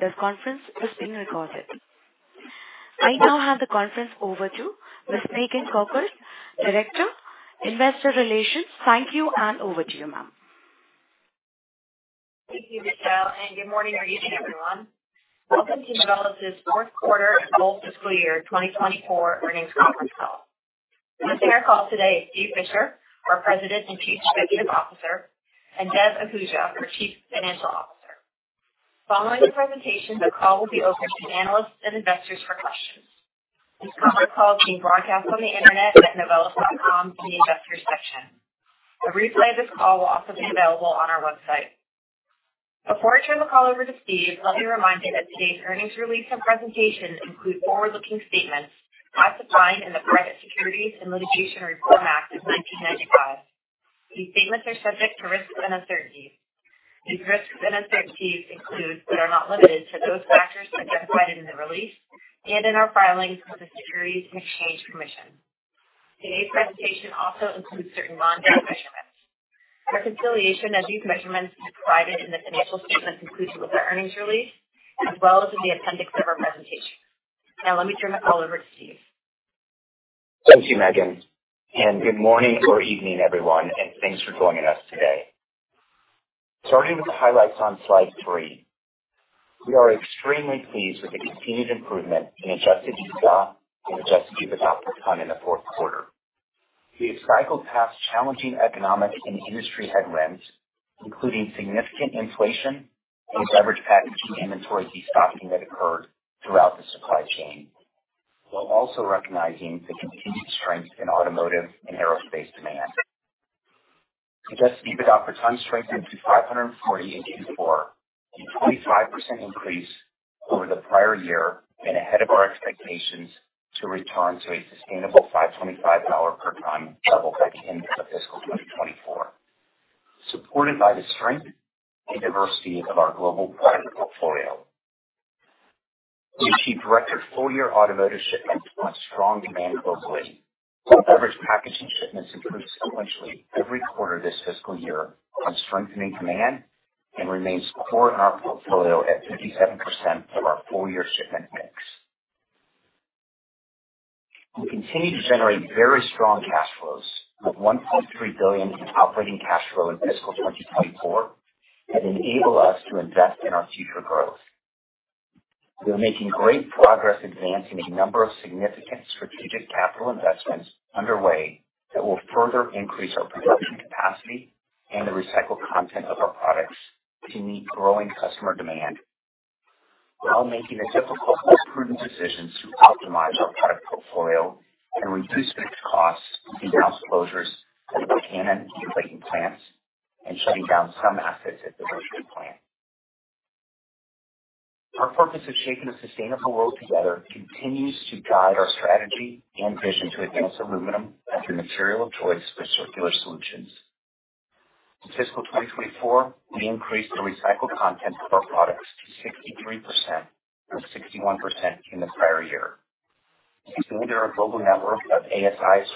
That this conference is being recorded. I now hand the conference over to Ms. Megan Cochard, Director, Investor Relations. Thank you, and over to you, ma'am. Thank you, Michelle, and good morning or evening, everyone. Welcome to Novelis's fourth quarter full fiscal year 2024 earnings conference call. Joining our call today is Steve Fisher, our President and Chief Executive Officer, and Devinder Ahuja, our Chief Financial Officer. Following the presentation, the call will be open to analysts and investors for questions. This conference call is being broadcast on the Internet at novelis.com in the Investors section. A replay of this call will also be available on our website. Before I turn the call over to Steve, let me remind you that today's earnings release and presentation include forward-looking statements as defined in the Private Securities Litigation Reform Act of 1995. These statements are subject to risks and uncertainties. These risks and uncertainties include, but are not limited to, those factors identified in the release and in our filings with the Securities and Exchange Commission. Today's presentation also includes certain non-GAAP measurements. Reconciliation of these measurements is provided in the financial statements included with our earnings release, as well as in the appendix of our presentation. Now, let me turn the call over to Steve. Thank you, Megan, and good morning or evening, everyone, and thanks for joining us today. Starting with the highlights on slide 3, we are extremely pleased with the continued improvement in Adjusted EBITDA and Adjusted EBITDA per tonne in the fourth quarter. We have cycled past challenging economic and industry headwinds, including significant inflation and beverage packaging inventory destocking that occurred throughout the supply chain, while also recognizing the continued strength in automotive and aerospace demand. Adjusted EBITDA per tonne strengthened to $540 in Q4, a 25% increase over the prior year and ahead of our expectations to return to a sustainable $525 per tonne level by the end of fiscal 2024, supported by the strength and diversity of our global product portfolio. We achieved record full-year automotive shipments on strong demand globally, while beverage packaging shipments improved sequentially every quarter this fiscal year on strengthening demand and remains core in our portfolio at 57% of our full-year shipment mix. We continue to generate very strong cash flows, with $1.3 billion in operating cash flow in fiscal 2024 that enable us to invest in our future growth. We are making great progress advancing a number of significant strategic capital investments underway that will further increase our production capacity and the recycled content of our products to meet growing customer demand, while making the difficult but prudent decisions to optimize our product portfolio and reduce fixed costs in down closures at the Cannon and Clayton plants and shutting down some assets at the Richmond plant. Our purpose of shaping a sustainable world together continues to guide our strategy and vision to advance aluminum as the material of choice for circular solutions. In fiscal 2024, we increased the recycled content of our products to 63% from 61% in the prior year. We expanded our global network of ASI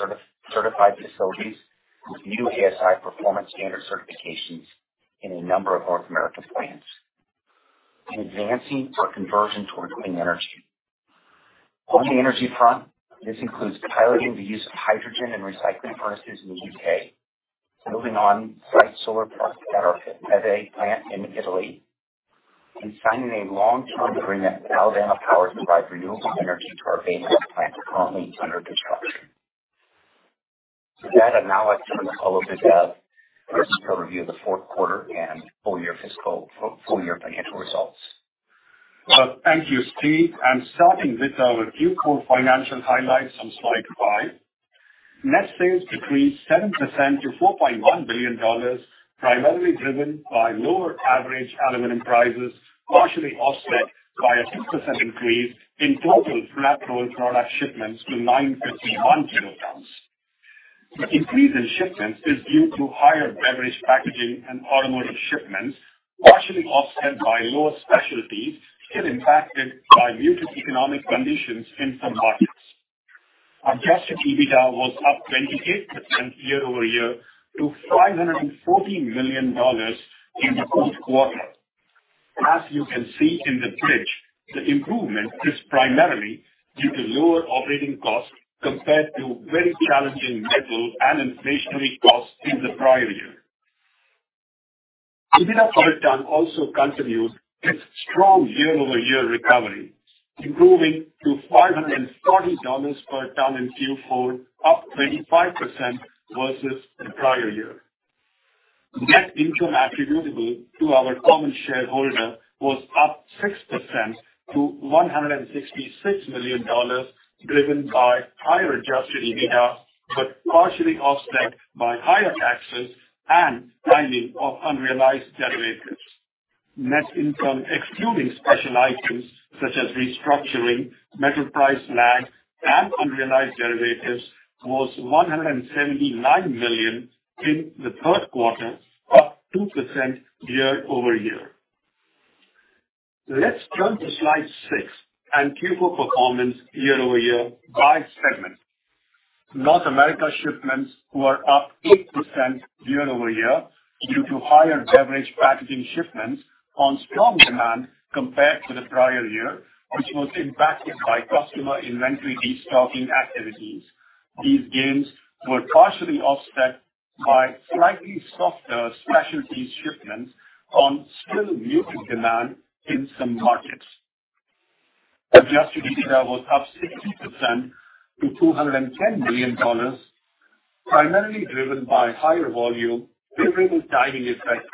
certified facilities with new ASI Performance Standard certifications in a number of North American plants and advancing our conversion towards clean energy. On the energy front, this includes piloting the use of hydrogen and recycling furnaces in the U.K., moving on-site solar plus at our Pieve plant in Italy, and signing a long-term agreement with Alabama Power to provide renewable energy to our Bay Minette plant, currently under construction. With that, I'd now like to turn the call over to Dev for his overview of the fourth quarter and full-year financial results. Well, thank you, Steve, and starting with our Q4 financial highlights on slide 5. Net sales increased 7% to $4.1 billion, primarily driven by lower average aluminum prices, partially offset by a 6% increase in total flat-rolled product shipments to 951 kilotonnes. The increase in shipments is due to higher beverage packaging and automotive shipments, partially offset by lower specialties and impacted by muted economic conditions in some markets. Adjusted EBITDA was up 28% year-over-year to $540 million in the fourth quarter. As you can see in the bridge, the improvement is primarily due to lower operating costs compared to very challenging metal and inflationary costs in the prior year. EBITDA per ton also continued its strong year-over-year recovery, improving to $540 per ton in Q4, up 25% versus the prior year. Net income attributable to our common shareholder was up 6% to $166 million, driven by higher adjusted EBITDA, partially offset by higher taxes and timing of unrealized derivatives. Net income, excluding special items such as restructuring, metal price lag, and unrealized derivatives, was $179 million in the third quarter, up 2% year-over-year. Let's turn to slide 6 and Q4 performance year-over-year by segment. North America shipments were up 8% year-over-year due to higher beverage packaging shipments on strong demand compared to the prior year, which was impacted by customer inventory destocking activities. These gains were partially offset by slightly softer specialties shipments on still muted demand in some markets. Adjusted EBITDA was up 60% to $210 million, primarily driven by higher volume, favorable timing effect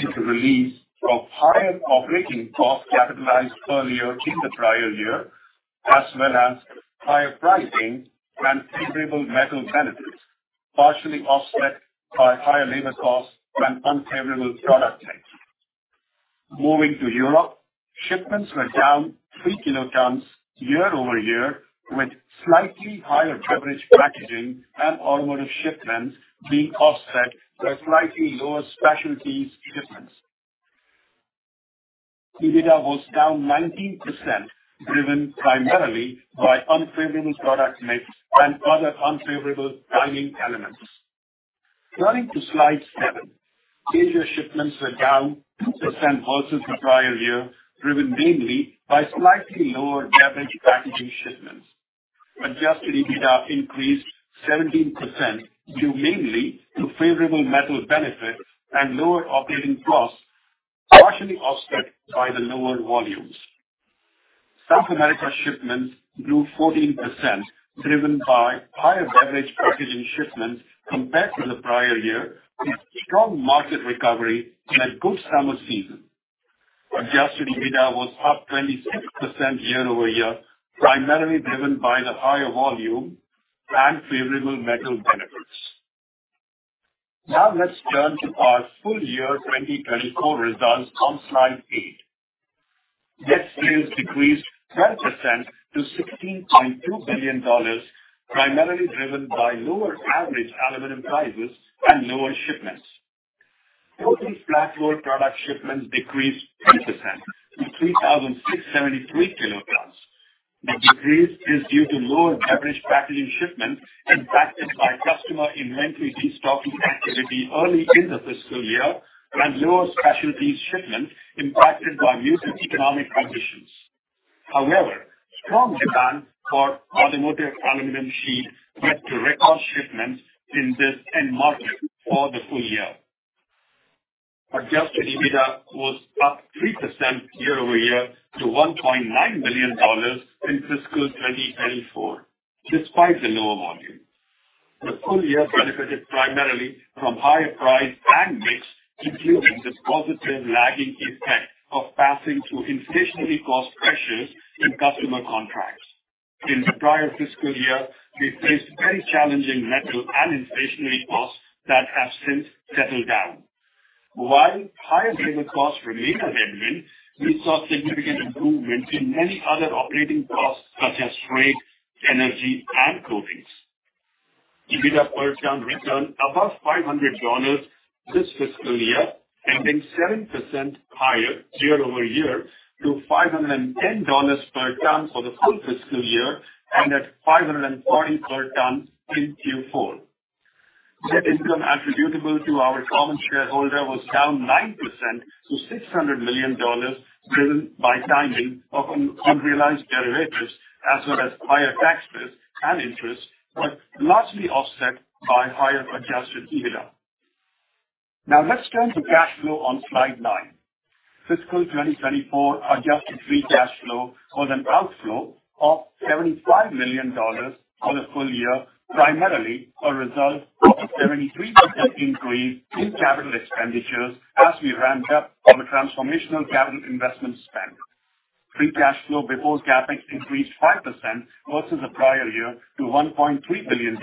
due to release of higher operating costs capitalized earlier in the prior year, as well as higher pricing and favorable metal benefits, partially offset by higher labor costs and unfavorable product mix. Moving to Europe, shipments were down 3 kilotonnes year-over-year, with slightly higher beverage packaging and automotive shipments being offset by slightly lower specialties shipments. EBITDA was down 19%, driven primarily by unfavorable product mix and other unfavorable timing elements. Turning to slide 7. Asia shipments were down 2% versus the prior year, driven mainly by slightly lower beverage packaging shipments. Adjusted EBITDA increased 17%, due mainly to favorable metal benefits and lower operating costs, partially offset by the lower volumes. South America shipments grew 14%, driven by higher beverage packaging shipments compared to the prior year, with strong market recovery and a good summer season. Adjusted EBITDA was up 26% year-over-year, primarily driven by the higher volume and favorable metal benefits. Let's turn to our full year 2024 results on Slide 8. Net sales decreased 12% to $16.2 billion, primarily driven by lower average aluminum prices and lower shipments. Aluminum flat-rolled product shipments decreased 10% to 3,673 kilotonnes. The decrease is due to lower beverage packaging shipments impacted by customer inventory destocking activity early in the fiscal year, and lower specialties shipments impacted by muted economic conditions. However, strong demand for automotive aluminum sheet led to record shipments in this end market for the full year. Adjusted EBITDA was up 3% year-over-year to $1.9 billion in fiscal 2024, despite the lower volume. The full year benefited primarily from higher price and mix, including the positive lagging effect of passing through inflationary cost pressures in customer contracts. In the prior fiscal year, we faced very challenging metal and inflationary costs that have since settled down. While higher labor costs remain a headwind, we saw significant improvement in many other operating costs, such as freight, energy, and coatings. EBITDA per ton returned above $500 this fiscal year, ending 7% higher year-over-year to $510 per ton for the full fiscal year, and at $540 per ton in Q4. Net income attributable to our common shareholder was down 9% to $600 million, driven by timing of unrealized derivatives, as well as higher taxes and interest, but largely offset by higher Adjusted EBITDA. Let's turn to cash flow on slide 9. Fiscal 2024 adjusted free cash flow was an outflow of $75 million for the full year, primarily a result of a 73% increase in capital expenditures as we ramped up on the transformational capital investment spend. Free cash flow before CapEx increased 5% versus the prior year to $1.3 billion.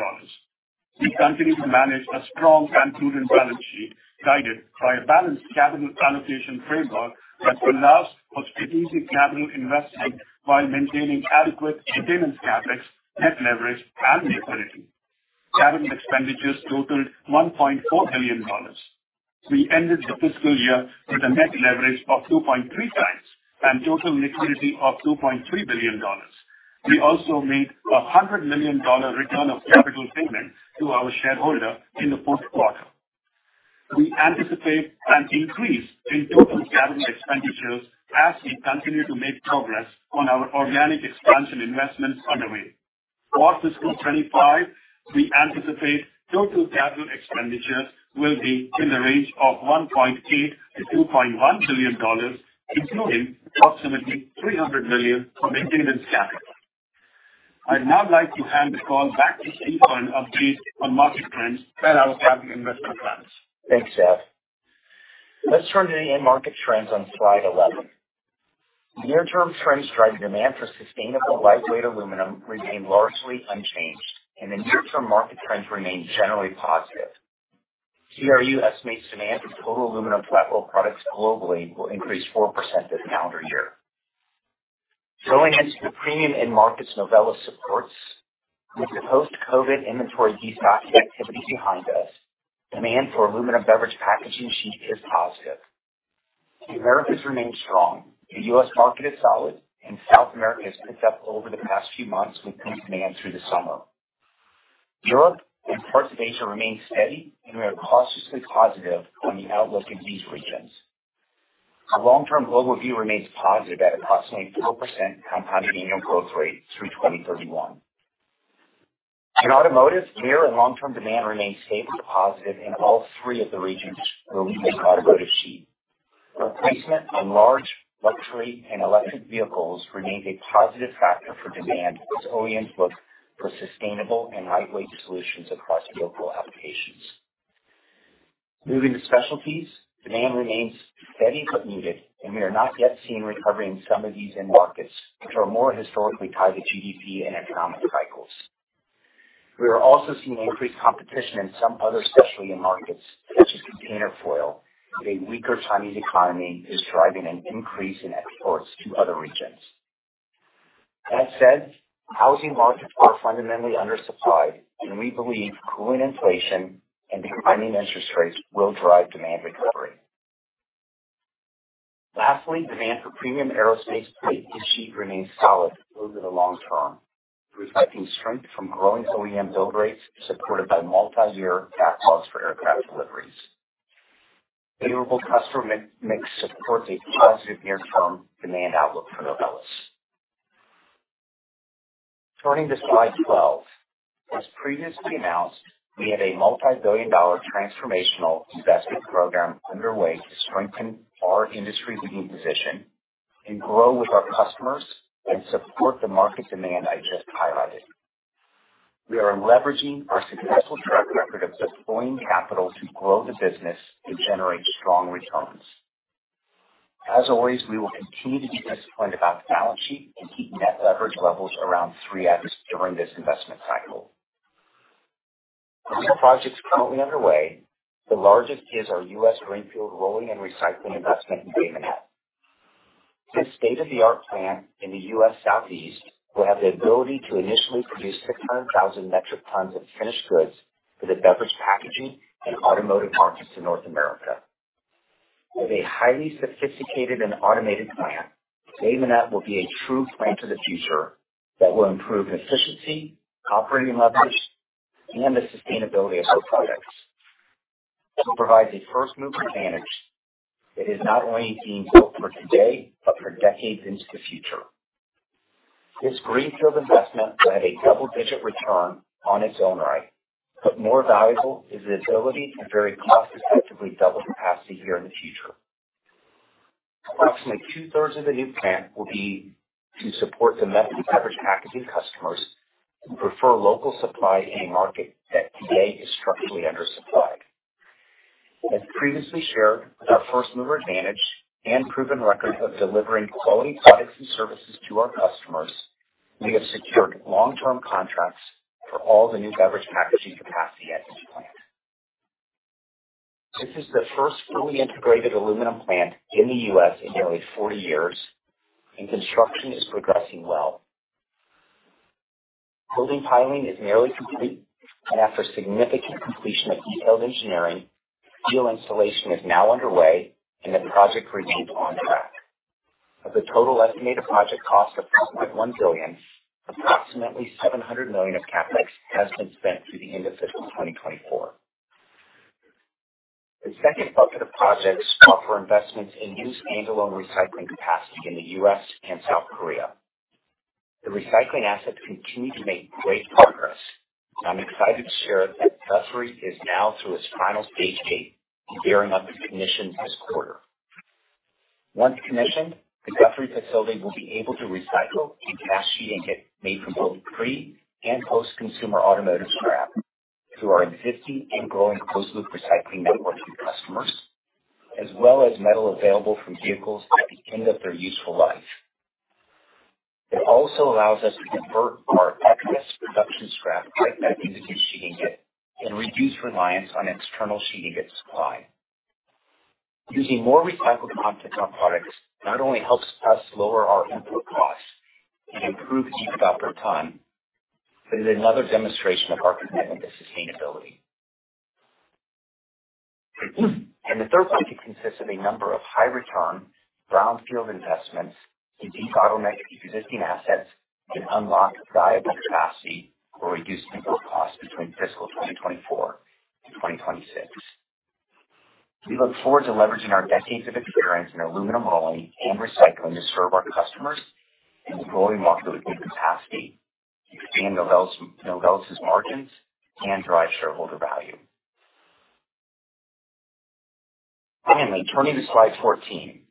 We continue to manage a strong and prudent balance sheet, guided by a balanced capital allocation framework that allows for strategic capital investment while maintaining adequate maintenance CapEx, net leverage, and liquidity. Capital expenditures totaled $1.4 billion. We ended the fiscal year with a net leverage of 2.3 times and total liquidity of $2.3 billion. We also made a $100 million return of capital payment to our shareholder in the fourth quarter. We anticipate an increase in total capital expenditures as we continue to make progress on our organic expansion investments underway. For fiscal 2025, we anticipate total capital expenditures will be in the range of $1.8 billion-$2.1 billion, including approximately $300 million for maintenance capital. I'd now like to hand the call back to Steve, update on market trends and our capital investment plans. Thanks, Dev. Let's turn to the end market trends on Slide 11. Near-term trends driving demand for sustainable lightweight aluminum remain largely unchanged, and the near-term market trends remain generally positive. CRU estimates demand for total aluminum flat roll products globally will increase 4% this calendar year. Going into the premium end markets Novelis supports, with the post-COVID inventory destocking activity behind us, demand for aluminum beverage packaging sheet is positive. The Americas remain strong. The U.S. market is solid, and South America has picked up over the past few months with increased demand through the summer. Europe and parts of Asia remain steady, and we are cautiously positive on the outlook in these regions. Our long-term global view remains positive at approximately 4% compounded annual growth rate through 2031. In automotive, near- and long-term demand remains stably positive in all three of the regions where we make automotive sheet. Replacement and large luxury and electric vehicles remains a positive factor for demand, as OEMs look for sustainable and lightweight solutions across vehicle applications. Moving to specialties, demand remains steady but muted, and we are not yet seeing recovery in some of these end markets, which are more historically tied to GDP and economic cycles. We are also seeing increased competition in some other specialty end markets, such as container foil, as a weaker Chinese economy is driving an increase in exports to other regions. That said, housing markets are fundamentally undersupplied, and we believe cooling inflation and declining interest rates will drive demand recovery. Lastly, demand for premium aerospace plate and sheet remains solid over the long term, reflecting strength from growing OEM build rates supported by multiyear backlogs for aircraft deliveries. Favorable customer mix supports a positive near-term demand outlook for Novelis. Turning to Slide 12. As previously announced, we have a multibillion-dollar transformational investment program underway to strengthen our industry-leading position and grow with our customers and support the market demand I just highlighted. We are leveraging our successful track record of deploying capital to grow the business and generate strong returns. As always, we will continue to be disciplined about the balance sheet and keep net leverage levels around 3x during this investment cycle. Of the projects currently underway, the largest is our U.S. greenfield rolling and recycling investment in Bay Minette. This state-of-the-art plant in the U.S. Southeast will have the ability to initially produce 600,000 metric tons of finished goods for the beverage, packaging, and automotive markets in North America. With a highly sophisticated and automated plant, Bay Minette will be a true plant for the future that will improve efficiency, operating leverage, and the sustainability of our products. To provide a first-mover advantage, it is not only being built for today, but for decades into the future. This greenfield investment will have a double-digit return on its own right, but more valuable is the ability to very cost-effectively double capacity here in the future. Approximately two-thirds of the new plant will be to support the method beverage packaging customers who prefer local supply in a market that today is structurally undersupplied. As previously shared, with our first-mover advantage and proven record of delivering quality products and services to our customers, we have secured long-term contracts for all the new beverage packaging capacity at this plant. This is the first fully integrated aluminum plant in the U.S. in nearly 40 years. Construction is progressing well. Building piling is nearly complete, and after significant completion of detailed engineering, steel installation is now underway and the project remains on track. Of the total estimated project cost of $2.1 billion, approximately $700 million of CapEx has been spent through the end of fiscal 2024. The second bucket of projects call for investments in used standalone recycling capacity in the U.S. and South Korea. The recycling assets continue to make great progress, I'm excited to share that Guthrie is now through its final stage gate and gearing up to commission this quarter. Once commissioned, the Guthrie facility will be able to recycle and cast sheet ingot made from both pre- and post-consumer automotive scrap through our existing and growing closed-loop recycling network of customers, as well as metal available from vehicles at the end of their useful life. It also allows us to convert our excess production scrap right back into the sheet ingot and reduce reliance on external sheet ingot supply. Using more recycled content on products not only helps us lower our input costs and improve EBITDA per tonne, is another demonstration of our commitment to sustainability. The third project consists of a number of high-return brownfield investments to de-bottleneck existing assets and unlock valuable capacity or reduce input costs between fiscal 2024 to 2026. We look forward to leveraging our decades of experience in aluminum rolling and recycling to serve our customers and growing market with new capacity, expand Novelis' margins, and drive shareholder value. Finally, turning to Slide 14.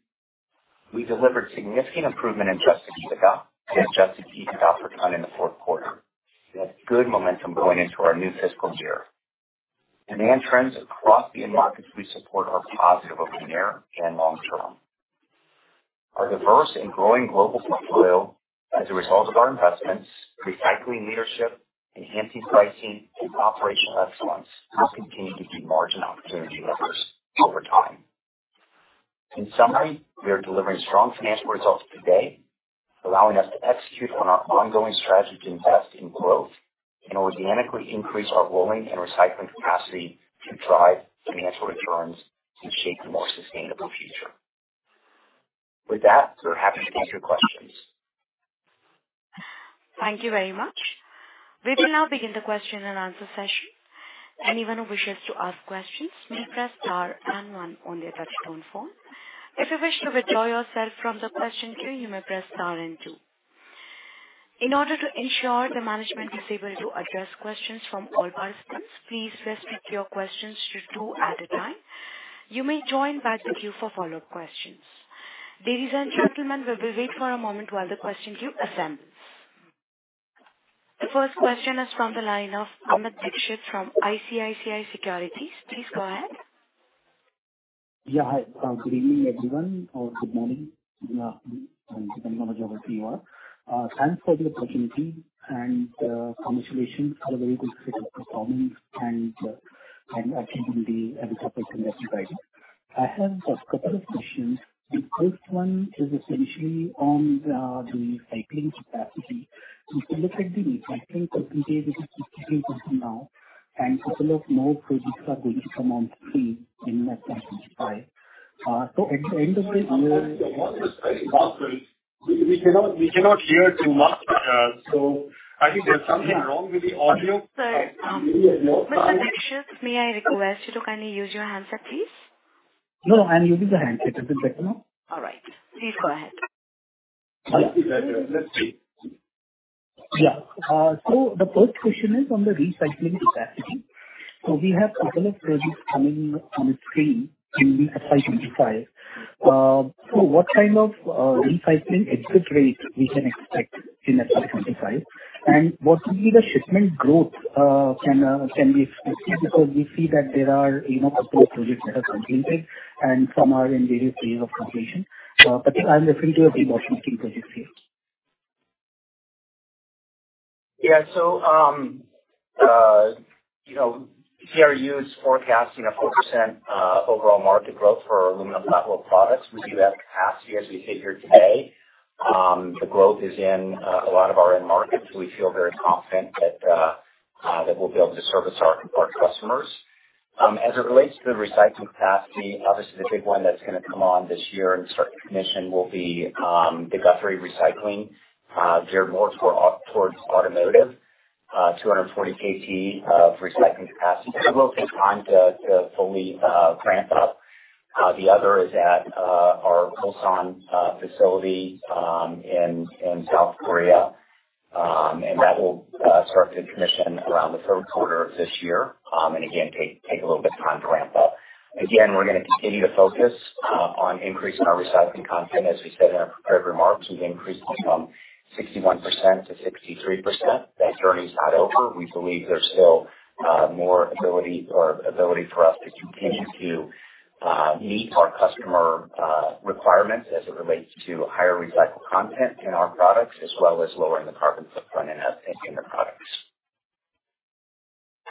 We delivered significant improvement in adjusted EBITDA and adjusted EBITDA per tonne in the fourth quarter. We have good momentum going into our new fiscal year. Demand trends across the end markets we support are positive over the near and long term. Our diverse and growing global portfolio as a result of our investments, recycling leadership, enhancing pricing, and operational excellence will continue to be margin opportunity levers over time. In summary, we are delivering strong financial results today.... allowing us to execute on our ongoing strategy to invest in growth and organically increase our rolling and recycling capacity to drive financial returns and shape a more sustainable future. With that, we're happy to take your questions. Thank you very much. We will now begin the question and answer session. Anyone who wishes to ask questions may press Star and One on their touchtone phone. If you wish to withdraw yourself from the question queue, you may press Star and Two. In order to ensure the management is able to address questions from all participants, please restrict your questions to two at a time. You may join back the queue for follow-up questions. Ladies and gentlemen, we will wait for a moment while the question queue assembles. The first question is from the line of Amit Dixit from ICICI Securities. Please go ahead. Yeah. Hi. Good evening, everyone, or good morning, depending on whichever you are. Thanks for the opportunity and, congratulations on a very good set of performance and achieving the ambitious targets. I have a couple of questions. The first one is essentially on, the recycling capacity. If you look at the recycling capacity, which is 62 now, and 2 more projects are going to come on stream in FY25. At the end of it- Your voice is very muffled. We cannot hear you much. I think there's something wrong with the audio. Sir, Mr. Dixit, may I request you to kindly use your handset, please? No, I'm using the handset. Is it better now? All right. Please go ahead. Let's see. Yeah. The first question is on the recycling capacity. We have couple of projects coming on the stream in the FY 25. What kind of recycling exit rate we can expect in FY 25? What would be the shipment growth can we expect? Because we see that there are, you know, couple of projects that are completed and some are in various phase of completion. I'm referring to the multiple projects here. You know, CRU is forecasting a 4% overall market growth for aluminum flat roll products. We do have the capacity as we sit here today. The growth is in a lot of our end markets. We feel very confident that we'll be able to service our customers. As it relates to the recycling capacity, obviously, the big one that's going to come on this year and start to commission will be the Guthrie Recycling. Geared more towards automotive, 240 kt of recycling capacity. It will take time to fully ramp up. The other is at our Ulsan facility in South Korea. That will start to commission around the third quarter of this year, and again, take a little bit of time to ramp up. We're going to continue to focus on increasing our recycling content. As we said in our prepared remarks, we've increased it from 61% to 63%. That journey is not over. We believe there's still more ability for us to continue to meet our customer requirements as it relates to higher recycled content in our products, as well as lowering the carbon footprint in our products.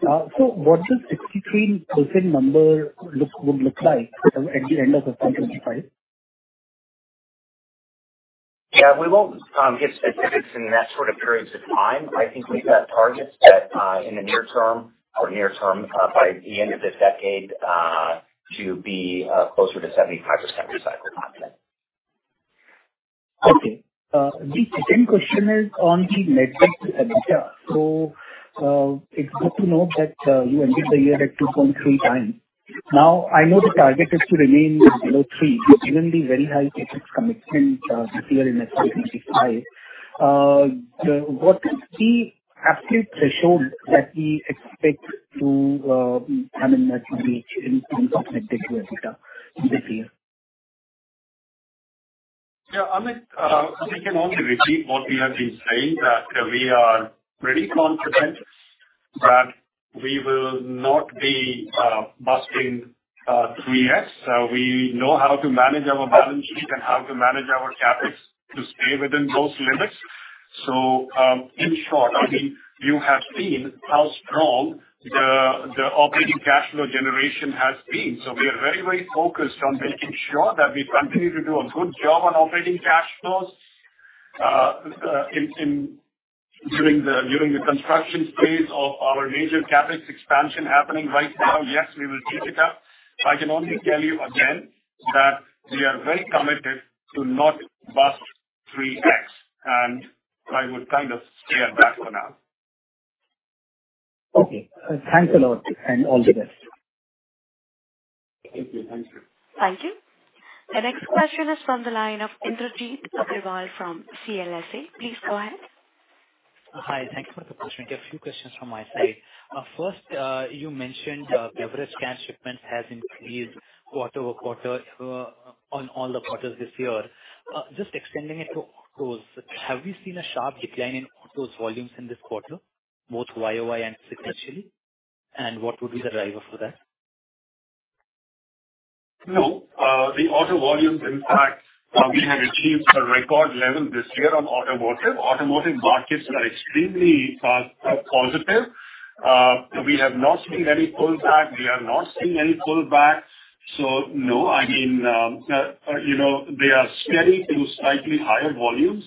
What does 63% number would look like at the end of the FY 25? Yeah, we won't give specifics in that sort of periods of time. I think we've got targets that in the near term or near term by the end of this decade to be closer to 75% recycled content. Okay. The second question is on the net debt to EBITDA. It's good to note that you ended the year at 2.3 times. Now, I know the target is to remain below 3, given the very high CapEx commitment this year in FY25. What is the absolute threshold that we expect to, I mean, reach in terms of net debt to EBITDA this year? Yeah, Amit, we can only repeat what we have been saying, that we are pretty confident that we will not be busting 3x. We know how to manage our balance sheet and how to manage our CapEx to stay within those limits. In short, I mean, you have seen how strong the operating cash flow generation has been. We are very focused on making sure that we continue to do a good job on operating cash flows. During the construction phase of our major CapEx expansion happening right now, yes, we will keep it up. I can only tell you again that we are very committed to not bust 3x, I would kind of stay at that for now. Okay. Thanks a lot, and all the best. Thank you. Thank you. Thank you. The next question is from the line of Indrajit Agarwal from CLSA. Please go ahead. Hi. Thank you for the opportunity. A few questions from my side. first, you mentioned beverage can shipment has increased quarter over quarter on all the quarters this year. Just extending it to autos, have you seen a sharp decline in autos volumes in this quarter, both year-over-year and sequentially? What would be the driver for that? No. The auto volumes, in fact, we have achieved a record level this year on automotive. Automotive markets are extremely positive. We have not seen any pullback. We are not seeing any pullback. No, I mean, you know, they are steady to slightly higher volumes.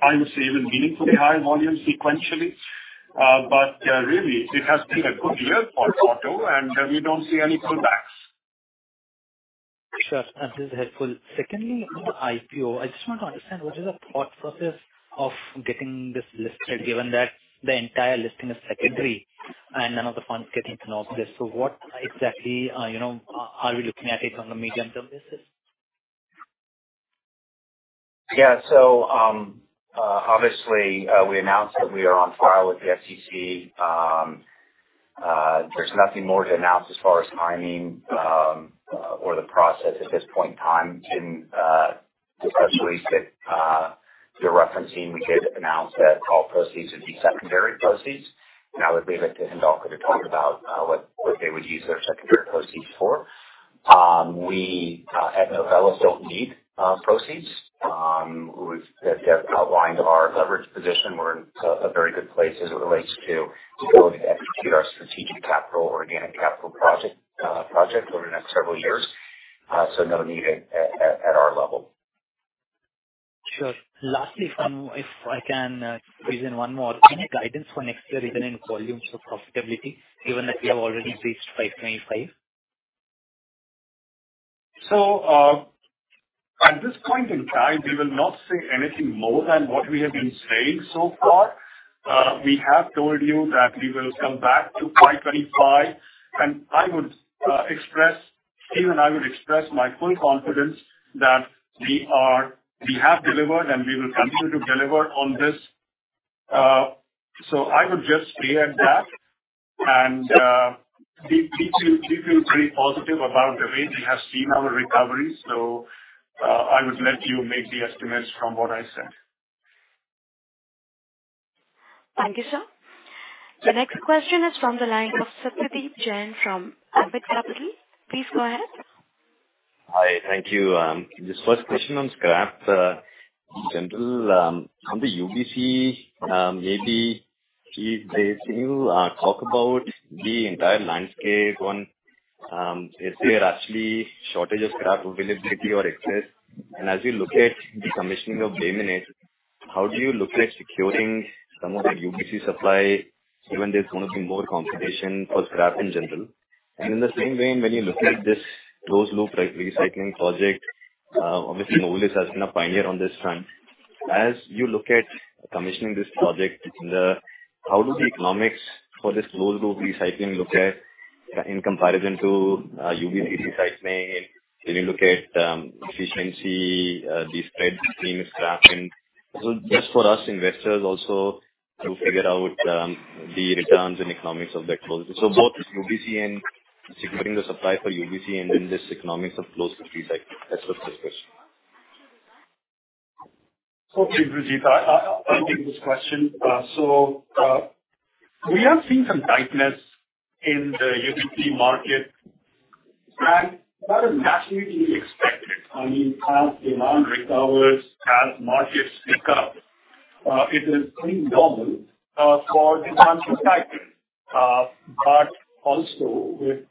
I would say even meaningfully higher volumes sequentially. Really, it has been a good year for auto, and we don't see any pullbacks. Sure. This is helpful. Secondly, on the IPO, I just want to understand what is the thought process of getting this listed, given that the entire listing is secondary and none of the funds getting to know this? What exactly, you know, are we looking at it on the medium-term basis? Obviously, we announced that we are on file with the SEC. There's nothing more to announce as far as timing or the process at this point in time to, especially since you're referencing, we did announce that all proceeds would be secondary proceeds. I would leave it to Hindalco to talk about what they would use their secondary proceeds for. We at Novelis don't need proceeds. We have outlined our leverage position. We're in a very good place as it relates to going to execute our strategic capital, organic capital project over the next several years. No need at our level. Sure. Lastly, if I can squeeze in one more. Any guidance for next year, even in volumes for profitability, given that you have already reached 525? At this point in time, we will not say anything more than what we have been saying so far. We have told you that we will come back to $525, and I would express, even I would express my full confidence that we have delivered, and we will continue to deliver on this. I would just reemphasize that, and we feel very positive about the way we have seen our recovery. I would let you make the estimates from what I said. Thank you, sir. The next question is from the line of Satyadeep Jain from Ambit Capital. Please go ahead. Hi, thank you. Just first question on scrap, in general, on the UBC, maybe if they seem talk about the entire landscape on, is there actually shortage of scrap availability or excess? As you look at the commissioning of Bay Minette, how do you look at securing some of the UBC supply, given there's going to be more competition for scrap in general? In the same vein, when you look at this closed-loop, like, recycling project, obviously, Novelis has been a pioneer on this front. As you look at commissioning this project, how do the economics for this closed-loop recycling look at in comparison to UBC recycling? When you look at efficiency, the spread between scrap. Just for us investors also to figure out the returns and economics of that closure. Both UBC and securing the supply for UBC and then just economics of closed-loop recycling. That's what's the question. Satyadeep, I'll take this question. We have seen some tightness in the UBC market, that is naturally expected. I mean, as demand recovers, as markets pick up, it is pretty normal for demand to tighten. Also with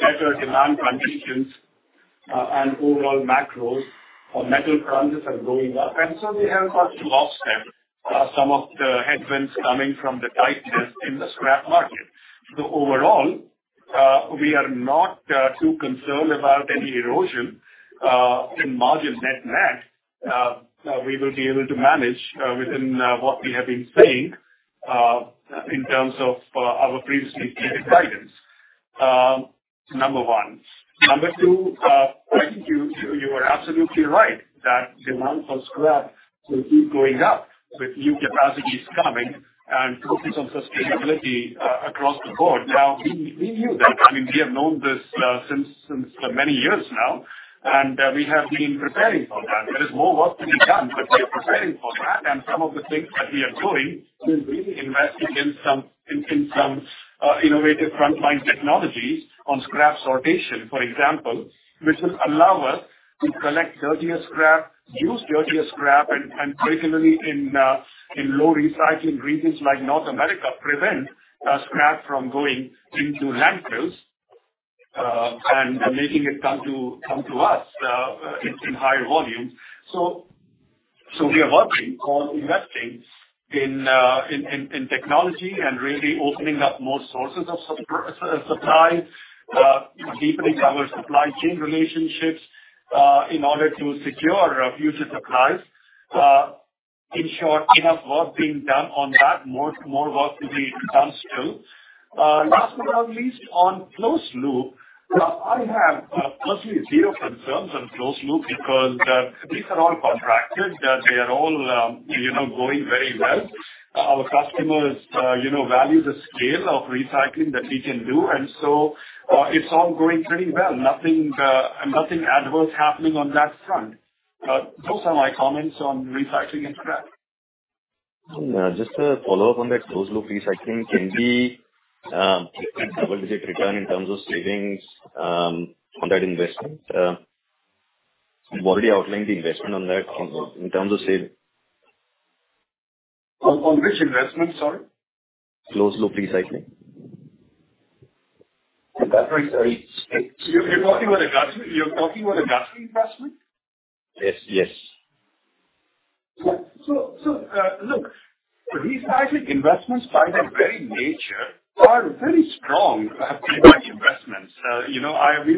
better demand conditions and overall macros, metal prices are going up, we have got to offset some of the headwinds coming from the tightness in the scrap market. Overall, we are not too concerned about any erosion in margin net-net. We will be able to manage within what we have been saying in terms of our previously given guidance. Number one. Number 2, I think you are absolutely right that demand for scrap will keep going up with new capacities coming and focus on sustainability across the board. Now, we knew that. I mean, we have known this since for many years now, we have been preparing for that. There is more work to be done, but we are preparing for that. Some of the things that we are doing is really investing in some innovative front-line technologies on scrap sortation, for example, which will allow us to collect dirtier scrap, use dirtier scrap, and particularly in low recycling regions like North America, prevent scrap from going into landfills and making it come to us in higher volumes. We are working on investing in technology and really opening up more sources of supply, deepening our supply chain relationships, in order to secure our future supplies. In short, enough work being done on that, more work to be done still. Last but not least, on closed loop. I have personally zero concerns on closed loop because these are all contracted, they are all, you know, going very well. Our customers, you know, value the scale of recycling that we can do, it's all going pretty well. Nothing, nothing adverse happening on that front. Those are my comments on recycling and scrap. Just to follow up on that closed-loop recycling, can we double-digit return in terms of savings on that investment? We've already outlined the investment on that in terms of saving. On which investment, sorry? closed-loop recycling. The Guthrie, sorry. You're talking about a gut investment? Yes. Yes. Look, these types of investments by their very nature are very strong impact investments. You know, we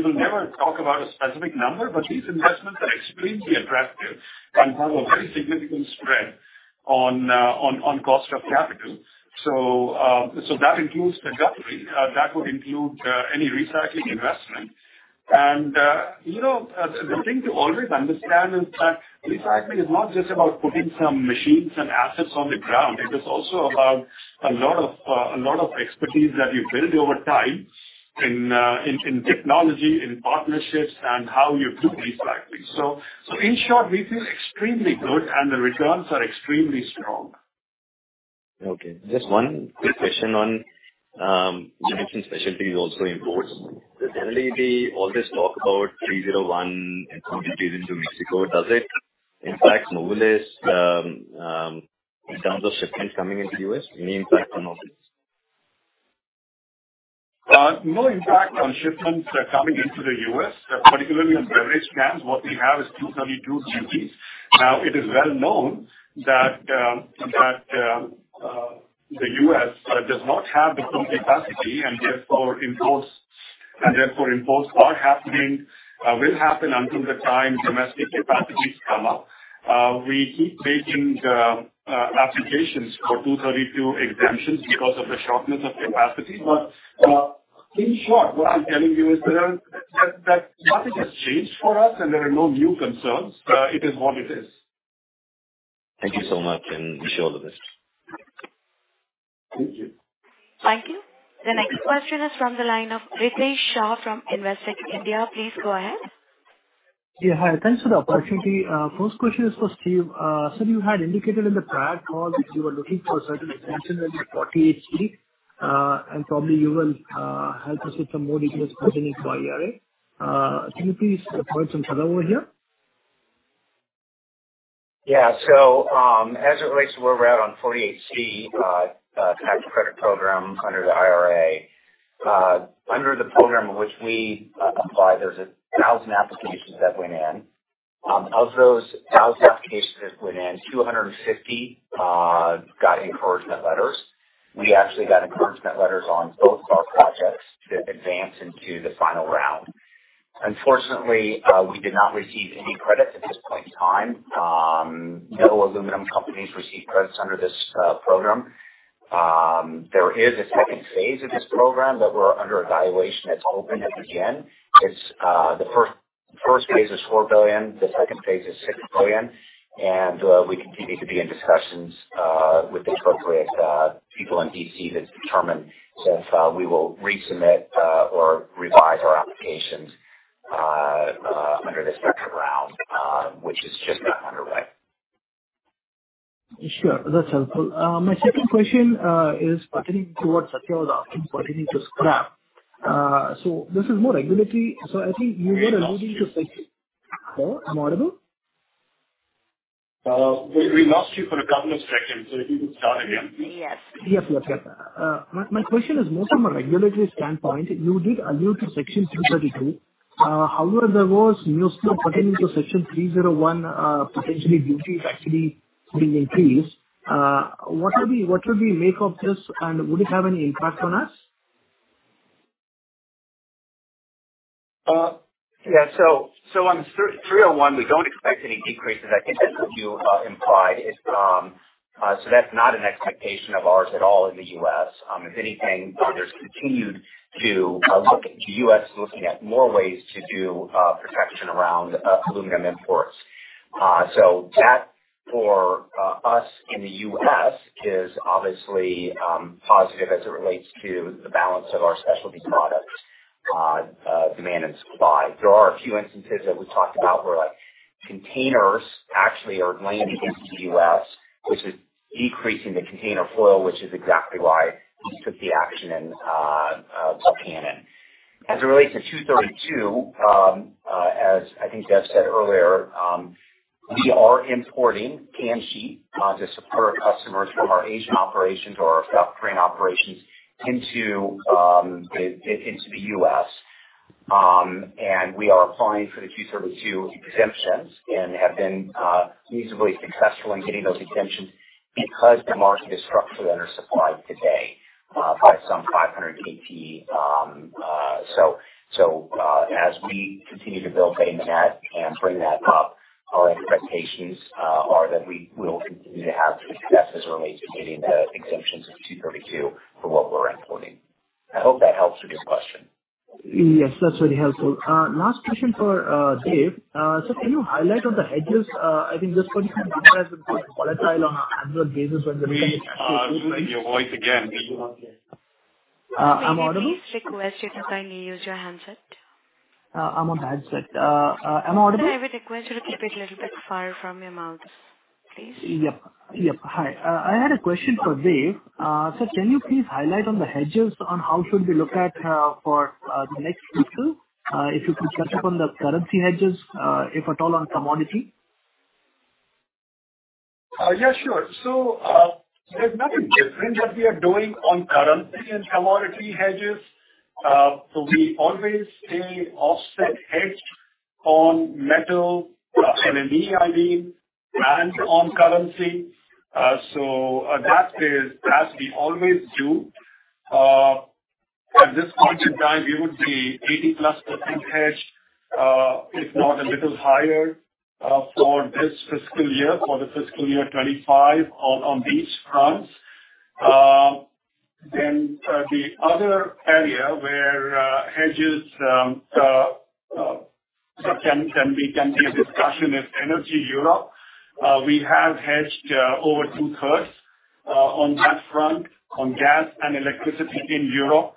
will never talk about a specific number, but these investments are extremely attractive and have a very significant spread on cost of capital. That includes the Guthrie. That would include any recycling investment. You know, the thing to always understand is that recycling is not just about putting some machines and assets on the ground. It is also about a lot of expertise that you build over time in technology, in partnerships, and how you do recycling. In short, this is extremely good and the returns are extremely strong. Just one quick question on, you mentioned specialty also imports. Does LED all this talk about 301 and contributions to Mexico, does it impact Novelis, in terms of shipments coming into the U.S., any impact on Novelis? No impact on shipments, coming into the U.S., particularly on beverage cans. What we have is Section 232 duties. It is well known that the U.S. does not have the full capacity and therefore imports are happening, will happen until the time domestic capacities come up. We keep making the applications for Section 232 exemptions because of the shortness of capacity. In short, what I'm telling you is that nothing has changed for us and there are no new concerns. It is what it is. Thank you so much, and wish you all the best. Thank you. Thank you. The next question is from the line of Ritesh Shah from Investec India. Please go ahead. Yeah, hi. Thanks for the opportunity. First question is for Steve. You had indicated in the prior call that you were looking for certain extensions for 48C, and probably you will help us with some more details pertaining to IRA. Can you please provide some color over here? As it relates to where we're at on 48C tax credit program under the IRA. Under the program in which we apply, there's 1,000 applications that went in. Of those 1,000 applications that went in, 250 got encouragement letters. We actually got encouragement letters on both of our projects to advance into the final round. Unfortunately, we did not receive any credits at this point in time. No aluminum companies received credits under this program. There is a second phase of this program that we're under evaluation that's open again. It's the first phase is $4 billion, the second phase is $6 billion. We continue to be in discussions with the appropriate people in D.C. to determine if we will resubmit or revise our applications under the second round which has just gotten underway. Sure. That's helpful. My second question is pertaining to what Satya was asking pertaining to scrap. This is more regulatory. I think you were alluding to section... Sir, am I audible? We lost you for a couple of seconds. If you could start again. Yes. Yes, yes. My question is more from a regulatory standpoint. You did allude to Section 232. However, there was news pertaining to Section 301, potentially duties actually being increased. What should we make of this, and would it have any impact on us? Yeah. On 301, we don't expect any decreases. I think that's what you implied is, so that's not an expectation of ours at all in the U.S. If anything, there's continued to look, the U.S. is looking at more ways to do protection around aluminum imports. That for us in the U.S. is obviously positive as it relates to the balance of our specialty products, demand and supply. There are a few instances that we talked about where, like, containers actually are landing into the U.S., which is decreasing the container flow, which is exactly why we took the action and to Pnn. As it relates to 232, as I think Dev said earlier, we are importing can sheet to support our customers from our Asian operations or our Gulf train operations into the US. We are applying for the 232 exemptions and have been reasonably successful in getting those exemptions because the market is structurally undersupplied today by some 500 BP. As we continue to build Bay Minette and bring that up, our expectations are that we will continue to have success as it relates to getting the exemptions of 232 for what we're importing. I hope that helps with your question. Yes, that's really helpful. Last question for Devinder Ahuja. Can you highlight on the hedges? I think this one is quite volatile on an annual basis. We are losing your voice again. We do not hear. Am I audible? May you please request you to kindly use your handset? I'm on handset. Am I audible? I would request you to keep it a little bit far from your mouth. Yep. Hi, I had a question for Dev. Can you please highlight on the hedges on how should we look at for the next fiscal? If you could touch upon the currency hedges, if at all on commodity. Yeah, sure. There's nothing different what we are doing on currency and commodity hedges. We always stay offset hedged on metal and LME, I mean, and on currency. That is as we always do. At this point in time, we would be 80%+ percentage, if not a little higher, for this fiscal year, for the fiscal year 25, on these fronts. The other area where hedges can be a discussion is energy Europe. We have hedged over two-thirds on that front, on gas and electricity in Europe.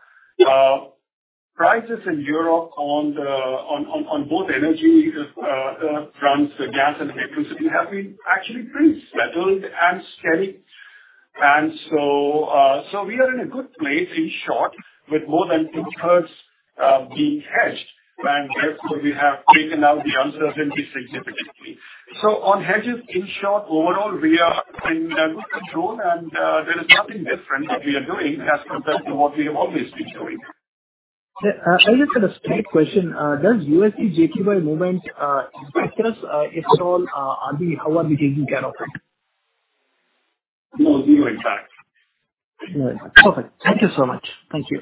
Prices in Europe on both energy fronts, gas and electricity, have been actually pretty settled and steady. So we are in a good place, in short, with more than two-thirds being hedged, and therefore, we have taken out the uncertainty significantly. On hedges, in short, overall, we are in good control and there is nothing different that we are doing as compared to what we have always been doing. I just had a straight question. Does USD JPY movement, impact us, if at all, how are we taking care of it? No, zero impact. Zero impact. Perfect. Thank you so much. Thank you.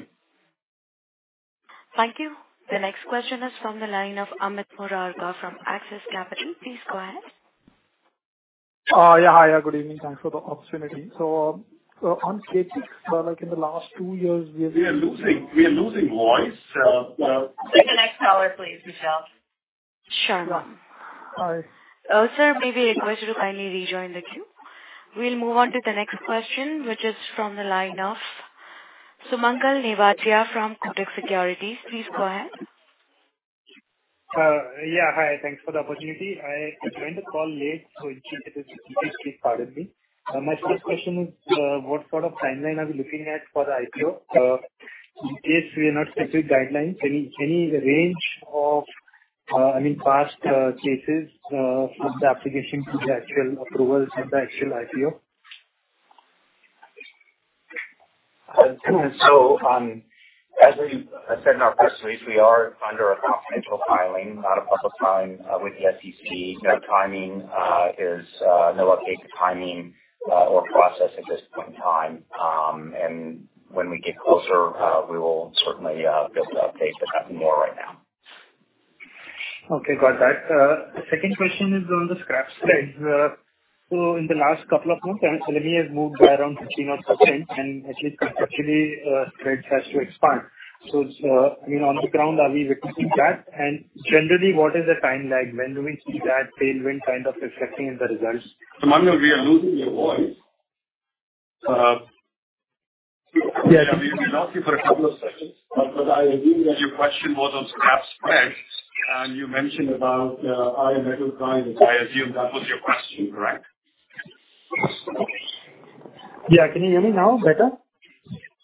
Thank you. The next question is from the line of Amit Murarka from Axis Capital. Please go ahead. Yeah. Hi, good evening. Thanks for the opportunity. On CapEx, like in the last 2 years, We are losing voice. Take the next caller, please, Michelle. Sure. All right. Sir, maybe I request you to kindly rejoin the queue. We'll move on to the next question, which is from the line of Sumangal Nevatia from Kotak Securities. Please go ahead. Yeah. Hi, thanks for the opportunity. I joined the call late. If you could please pardon me. My first question is, what sort of timeline are we looking at for the IPO? In case we are not specific guidelines, any range of, I mean past cases, from the application to the actual approval to the actual IPO? As we said in our press release, we are under a confidential filing, not a public filing with the SEC. No timing is no updated timing or process at this point in time. When we get closer, we will certainly be able to update, but nothing more right now. Okay, got that. The second question is on the scrap side. In the last couple of months, LME has moved by around 15% or 20%, and at least conceptually, trades has to expand. I mean, on the ground, are we witnessing that? Generally, what is the timeline? When do we see that tailwind kind of reflecting in the results? Sumangal, we are losing your voice. Yeah, we lost you for a couple of seconds, but I assume that your question was on scrap spreads, and you mentioned about iron metal prices. I assume that was your question, correct? Yeah. Can you hear me now better?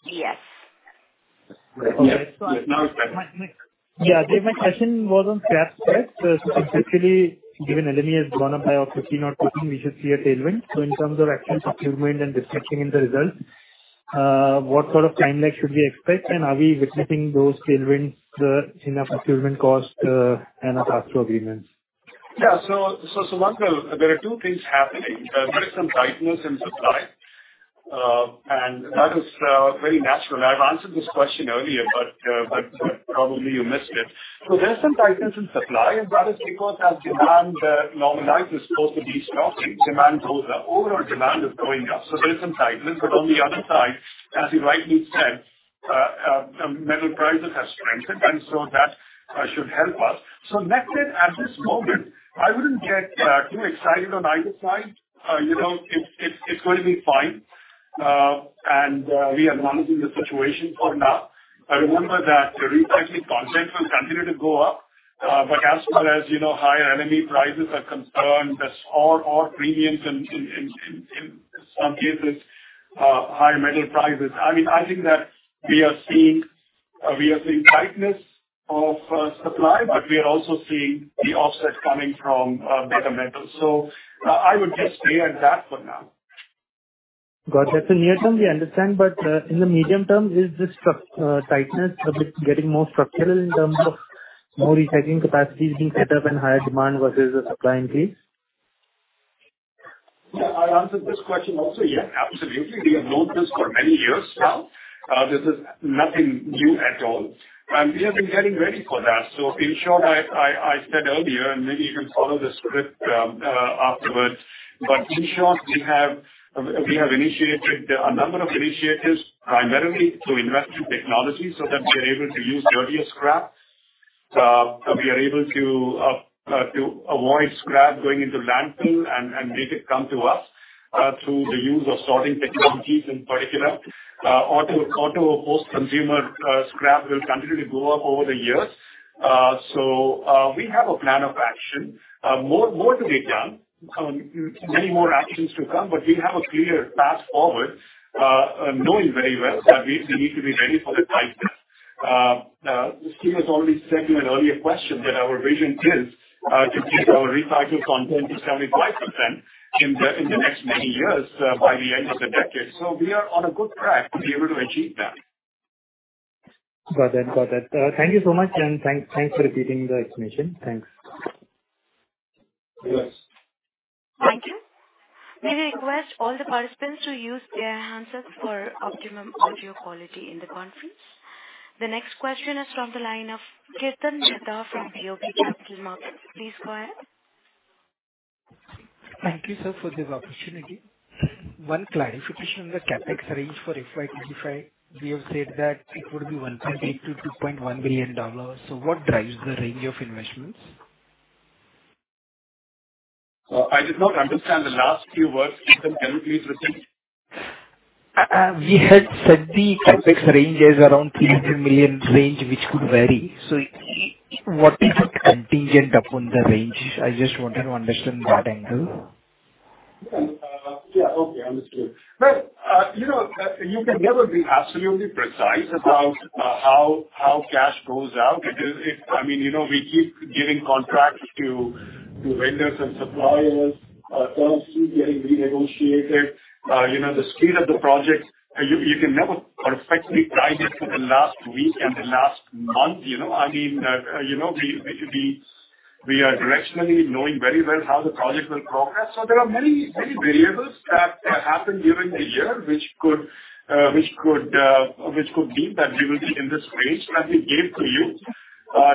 Yes. Yes, now it's better. Yeah. Dev, my question was on scrap spreads. Essentially, given LME has gone up by or 15 or 20, we should see a tailwind. In terms of actual procurement and reflecting in the results, what sort of timeline should we expect? Are we witnessing those tailwinds, in our procurement cost, and our contract agreements? Yeah. Sumangal, there are two things happening. There is some tightness in supply, and that is very natural. I've answered this question earlier, but probably you missed it. There's some tightness in supply, and that is because as demand normalizes, post-COVID stopping, demand goes up. Overall demand is going up. There is some tightness, but on the other side, as you rightly said, metal prices have strengthened, that should help us. Net-net at this moment, I wouldn't get too excited on either side. You know, it's going to be fine, and we are managing the situation for now. Remember that the recycling content will continue to go up. As far as you know, higher LME prices are concerned, that's ore premiums in some cases, higher metal prices. I mean, I think that we are seeing tightness of supply, but we are also seeing the offset coming from better metal. I would just stay at that for now. Got it. Near term, we understand, but in the medium term, is this structural tightness a bit getting more structural in terms of more recycling capacities being set up and higher demand versus the supply increase? Yeah, I answered this question also. Yes, absolutely. We have known this for many years now. This is nothing new at all, and we have been getting ready for that. In short, I said earlier, and maybe you can follow the script afterwards, but in short, we have initiated a number of initiatives, primarily to invest in technology so that we are able to use dirtier scrap, we are able to avoid scrap going into landfill, and make it come to us. Through the use of sorting technologies, in particular, auto post-consumer scrap will continue to go up over the years. We have a plan of action, more to be done, many more actions to come, but we have a clear path forward, knowing very well that we need to be ready for the cycles. Steve has already said in an earlier question that our vision is to keep our recycled content to 75% in the next many years, by the end of the decade. We are on a good track to be able to achieve that. Got it, got it. Thank you so much, and thanks for repeating the explanation. Thanks. Yes. Thank you. May I request all the participants to use their handsets for optimum audio quality in the conference. The next question is from the line of Kirtan Mehta from BOB Capital Markets. Please go ahead. Thank you, sir, for the opportunity. One clarification on the CapEx range for FY 2025. We have said that it would be $1.8 billion-$2.1 billion. What drives the range of investments? I did not understand the last few words, Kirtan. Can you please repeat? We had said the CapEx range is around $300 million range, which could vary. What is the contingent upon the range? I just wanted to understand that angle. Yeah. Yeah. Okay, understood. Well, you know, you can never be absolutely precise about how cash goes out. It is. I mean, you know, we keep giving contracts to vendors and suppliers. Terms keep getting renegotiated. You know, the speed of the project, you can never perfectly time it to the last week and the last month, you know. I mean, you know, we are directionally knowing very well how the project will progress. There are many, many variables that happen during the year, which could mean that we will be in this range that we gave to you.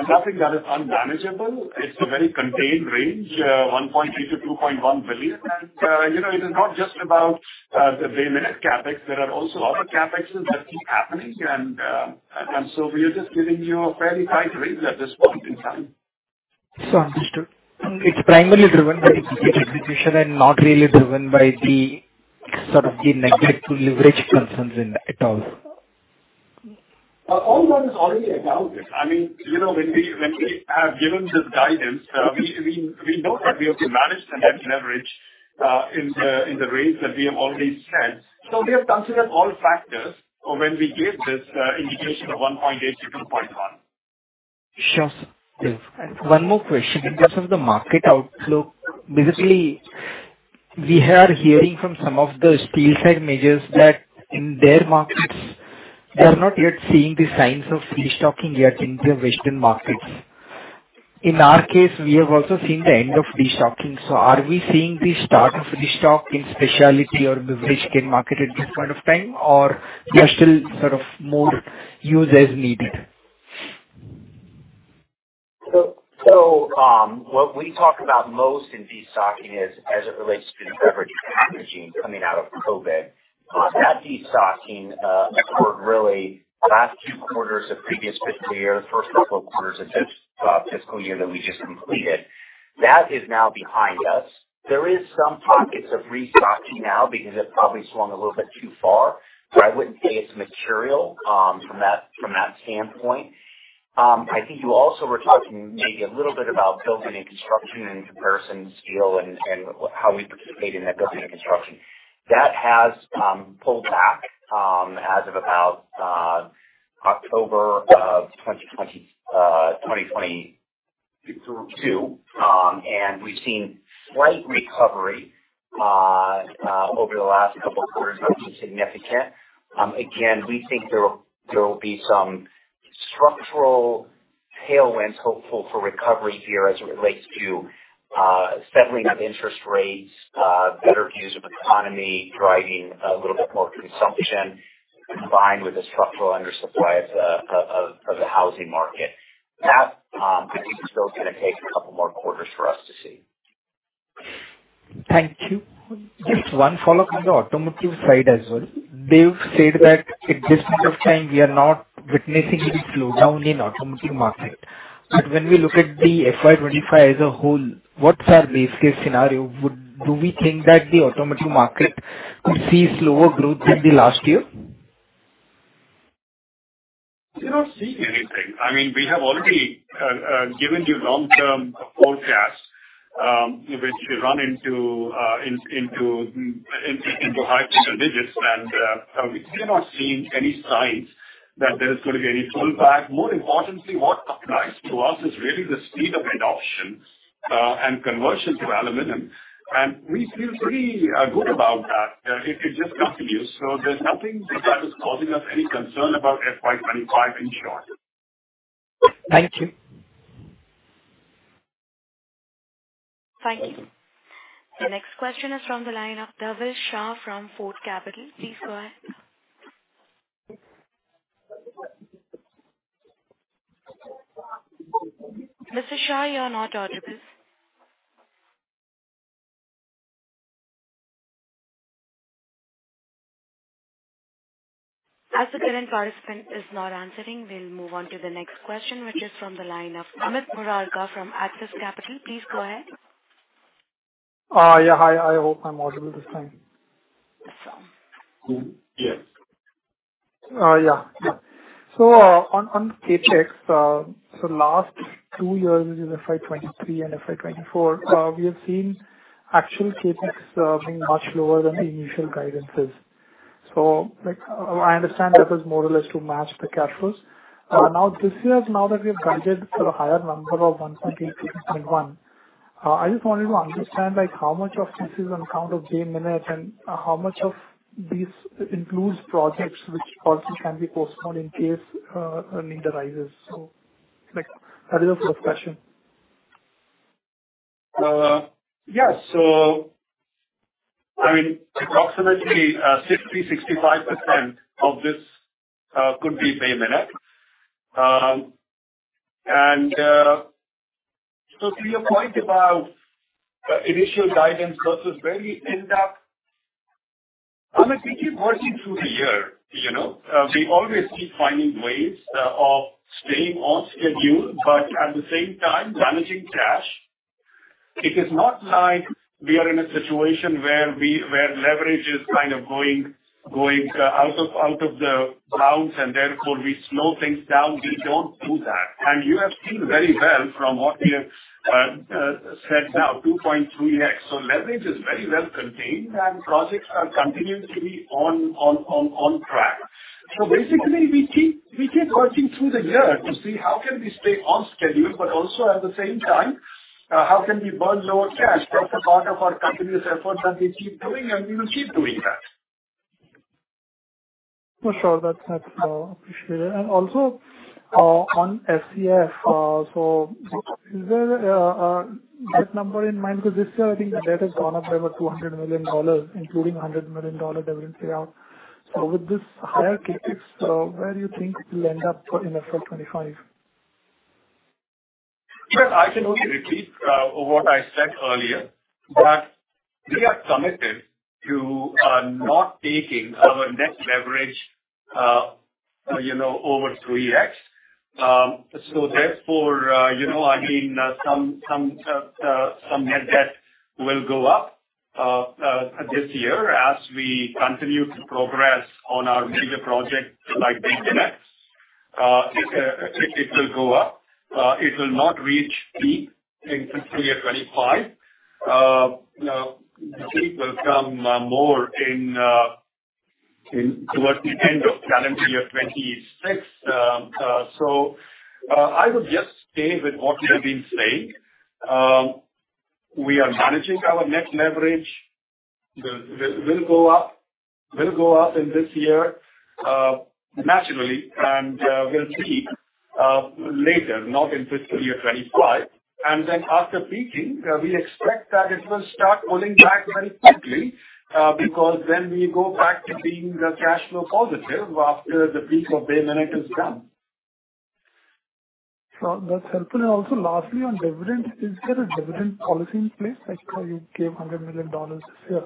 Nothing that is unmanageable. It's a very contained range, $1.8 billion-$2.1 billion. you know, it is not just about the Bay Minette CapEx. There are also other CapEx that keep happening, and so we are just giving you a very tight range at this point in time. Understood. It's primarily driven by execution and not really driven by the sort of the negative leverage concerns in it at all. All that is already accounted. I mean, you know, when we have given this guidance, we know that we have to manage the net leverage in the range that we have already said. We have considered all factors when we gave this indication of 1.8-2.1. Sure, sir. One more question. In terms of the market outlook, basically, we are hearing from some of the steel side majors that in their markets, they are not yet seeing the signs of destocking yet in the Western markets. In our case, we have also seen the end of destocking. Are we seeing the start of destock in specialty or in the bridge market at this point of time, or there are still sort of more users needed? What we talk about most in destocking is as it relates to beverage packaging coming out of COVID. That destocking occurred really last two quarters of previous fiscal year, first couple quarters of this fiscal year that we just completed. That is now behind us. There is some pockets of restocking now because it probably swung a little bit too far, but I wouldn't say it's material from that, from that standpoint. I think you also were talking maybe a little bit about building and construction in comparison to steel and how we participate in that building and construction. That has pulled back as of about October of 2020, 2022. We've seen slight recovery over the last couple of quarters, nothing significant. Again, we think there will be some structural tailwinds hopeful for recovery here as it relates to settling of interest rates, better views of economy, driving a little bit more consumption, combined with the structural undersupply of the housing market. I think is still going to take a couple more quarters for us to see. Thank you. Just one follow-up on the automotive side as well. Dev said that at this point of time, we are not witnessing any slowdown in automotive market, but when we look at the FY 25 as a whole, what's our base case scenario? Do we think that the automotive market could see slower growth than the last year? We're not seeing anything. I mean, we have already given you long-term forecasts, which run into high single digits. We're not seeing any signs that there's going to be any pullback. More importantly, what matters to us is really the speed of adoption and conversion to aluminum, and we feel pretty good about that. It just continues, so there's nothing that is causing us any concern about FY 25, in short. Thank you. Thank you. The next question is from the line of Devesh Shah from Fourth Capital. Please go ahead. Mr. Shah, you are not audible.... As the current participant is not answering, we'll move on to the next question, which is from the line of Amit Murarka from Axis Capital. Please go ahead. Yeah. Hi, I hope I'm audible this time. Yes. Yeah. Yeah. On, on CapEx, last two years, which is FY23 and FY24, we have seen actual CapEx being much lower than the initial guidances. Like, I understand that was more or less to match the cash flows. Now, this year, now that we have guided for a higher number of $1.8 to $0.1, I just wanted to understand, like, how much of this is on account of Bay Minette and how much of this includes projects which also can be postponed in case a need arises? Like, that is the question. Yeah, I mean, approximately 60-65% of this could be Bay Minette. To your point about initial guidance versus where we end up, Amit, we keep working through the year, you know. We always keep finding ways of staying on schedule, but at the same time managing cash. It is not like we are in a situation where leverage is kind of going out of the bounds, and therefore we slow things down. We don't do that. You have seen very well from what we have said now, 2.2x. Leverage is very well contained, and projects are continuing to be on track. Basically, we keep working through the year to see how can we stay on schedule, but also at the same time, how can we burn lower cash. That's a part of our continuous efforts that we keep doing, and we will keep doing that. For sure. That's appreciated. Also, on SCF, is there a net number in mind? Because this year I think the debt has gone up by about $200 million, including a $100 million dividend payout. With this higher CapEx, where do you think you'll end up for in FY 25? Yes, I can only repeat what I said earlier, that we are committed to not taking our net leverage, you know, over 3x. Therefore, you know, I mean, some net debt will go up this year as we continue to progress on our major projects like Bay Minette. It will go up. It will not reach peak in fiscal year 25. Now the peak will come more in towards the end of calendar year 26. I would just stay with what we have been saying. We are managing our net leverage. Will go up in this year, naturally, and we'll see later, not in fiscal year 25. After peaking, we expect that it will start pulling back very quickly, because then we go back to being cash flow positive after the peak of Bay Minette is done. That's helpful. Also lastly, on dividend, is there a dividend policy in place? Like how you gave $100 million this year.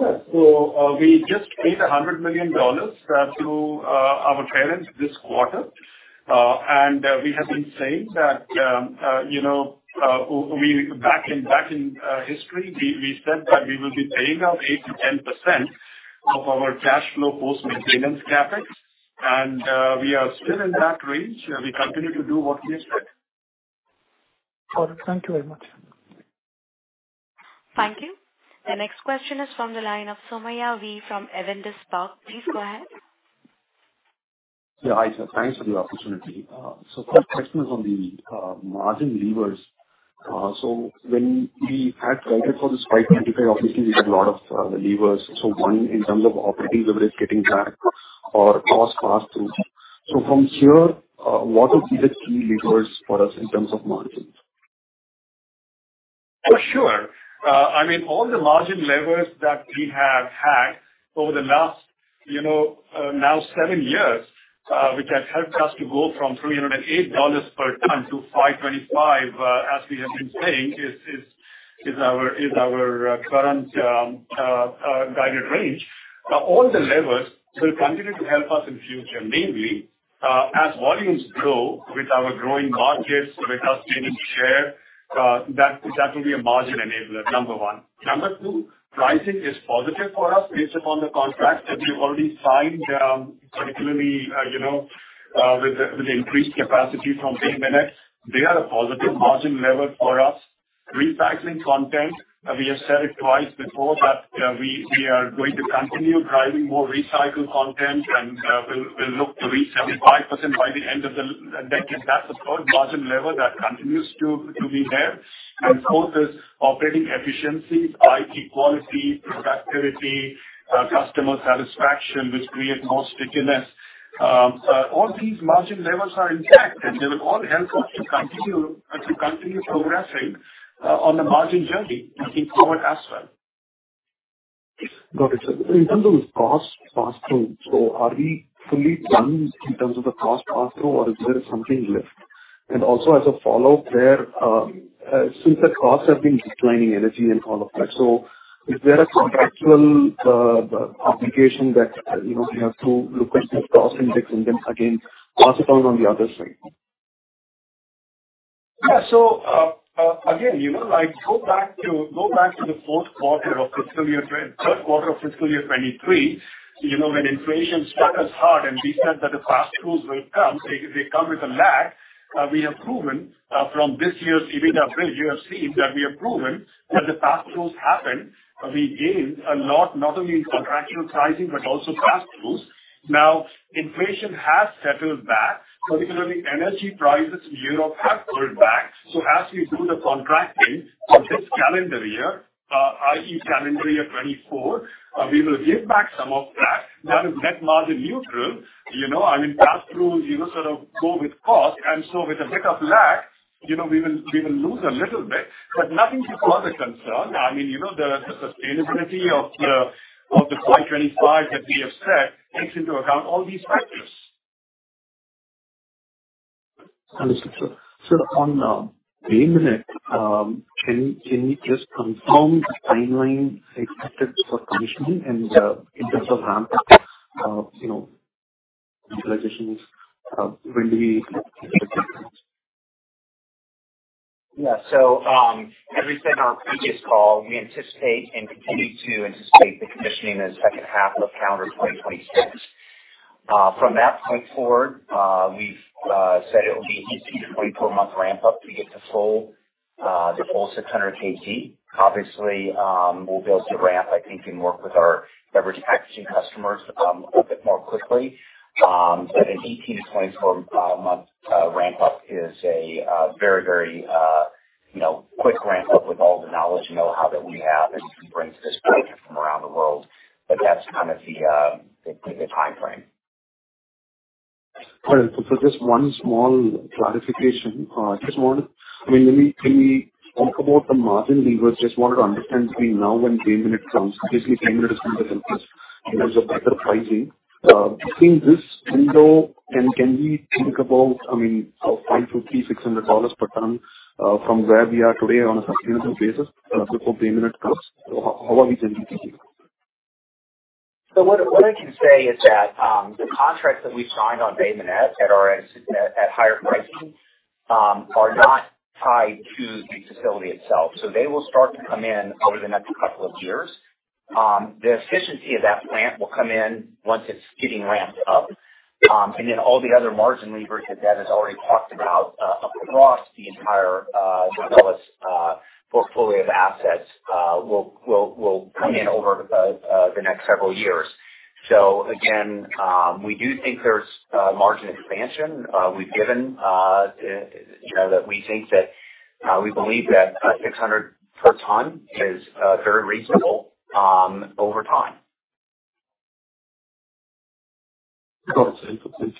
Yes. We just paid $100 million to our parents this quarter. We have been saying that, you know, we back in history, we said that we will be paying out 8%-10% of our cash flow post-maintenance CapEx, and, we are still in that range. We continue to do what we said. Got it. Thank you very much. Thank you. The next question is from the line of Soumya V from Avendus Spark. Please go ahead. Yeah, hi, sir. Thanks for the opportunity. First question is on the margin levers. When we had guided for this FY 25, obviously, we had a lot of the levers. One, in terms of operating leverage getting back or cost pass-through. From here, what are the key levers for us in terms of margins? For sure. I mean, all the margin levers that we have had over the last, you know, 7 years, which has helped us to go from $308 per tonne to $525, as we have been saying, is our current guided range. All the levers will continue to help us in future, mainly, as volumes grow with our growing markets, with us gaining share, that will be a margin enabler, number 1. Number 2, pricing is positive for us based upon the contracts, and we've already signed, particularly, you know, with the increased capacity from Bay Minette, they are a positive margin lever for us. Recycling content, we have said it twice before, but we are going to continue driving more recycled content, and we'll look to reach 75% by the end of the decade. That's a third margin lever that continues to be there. Fourth is operating efficiencies, IT quality, productivity, customer satisfaction, which creates more stickiness. All these margin levers are intact, and they will all help us to continue progressing on the margin journey looking forward as well. Got it, sir. In terms of cost pass-through, are we fully done in terms of the cost pass-through, or is there something left? As a follow-up there, since the costs have been declining, energy and all of that. Is there a contractual obligation that, you know, we have to look at this cost index and then again, pass it on the other side? Yeah. Again, you know, I go back to the third quarter of fiscal year 2023, you know, when inflation struck us hard and we said that the pass-throughs will come, they come with a lag. We have proven, from this year's EBITDA bridge, you have seen that we have proven that the pass-throughs happened. We gained a lot, not only in contractual pricing, but also pass-throughs. Now inflation has settled back, particularly energy prices in Europe have pulled back. As we do the contracting for this calendar year, i.e., calendar year 2024, we will give back some of that. That is net margin neutral, you know, I mean, pass-throughs, you know, sort of go with cost. With a bit of lag, you know, we will lose a little bit, but nothing to cause a concern. I mean, you know, the sustainability of the 0.25 that we have set takes into account all these factors. Understood, sir. Sir, on Bay Minette, can you just confirm the timeline expected for commissioning and in terms of ramp up, you know, utilizations, when we Yeah. As we said on our previous call, we anticipate and continue to anticipate the commissioning in the second half of calendar 2026. From that point forward, we've said it will be 18 to 24 month ramp-up to get to full, the full 600 kt. Obviously, we'll be able to ramp, I think, and work with our beverage packaging customers, a little bit more quickly. An 18 to 24 month ramp-up is a very, very, you know, quick ramp-up with all the knowledge and know-how that we have, and we bring to this project from around the world. That's kind of the timeframe. All right. Just one small clarification. just one. I mean, when we talk about the margin levers, just wanted to understand between now and Bay Minette comes, basically Bay Minette is in terms of better pricing. Between this window and can we think about, I mean, $500-$600 per ton from where we are today on a sustainable basis before Bay Minette comes? How are we thinking here? What I can say is that, the contracts that we've signed on Bay Minette at higher pricing are not tied to the facility itself, so they will start to come in over the next two years. The efficiency of that plant will come in once it's getting ramped up. All the other margin levers that Devinder Ahuja has already talked about across the entire Novelis portfolio of assets will come in over the next several years. Again, we do think there's margin expansion. We've given, you know, that we think that we believe that 600 per ton is very reasonable over time. Got it. Thank you.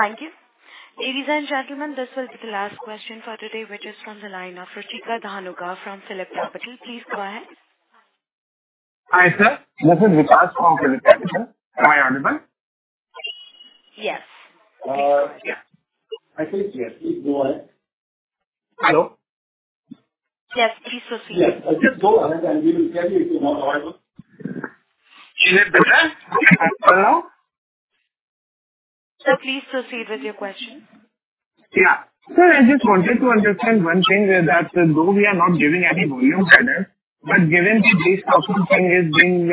Thank you. Ladies and gentlemen, this will be the last question for today, which is from the line of Ritika Dhangar from PhillipCapital. Please go ahead. Hi, sir. This is Vikas from PhillipCapital. Am I audible? Yes. Yeah, I think yes, please go ahead. Hello. Yes, please proceed. Yes, just go ahead and we will tell you if you're not audible. Is it better? Can you hear me now? Sir, please proceed with your question. Sir, I just wanted to understand one thing, that though we are not giving any volume guidance, but given that this output thing is being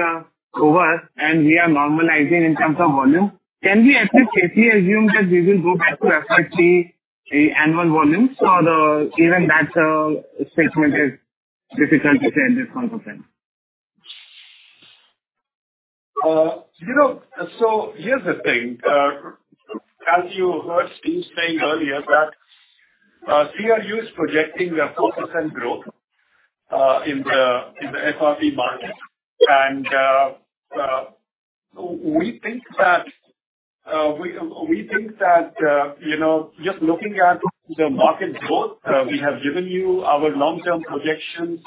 over and we are normalizing in terms of volume, can we safely assume that we will go back to FRP annual volumes or even that statement is difficult to say at this point of time? You know, here's the thing. As you heard Steve saying earlier, that CRU is projecting a 4% growth in the FRP market. We think that, you know, just looking at the market growth, we have given you our long-term projections.